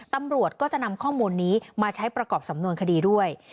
ตำรวจก็จะนำข้อมูลนี้มาใช้ประกอบสำนวนคดีด้วย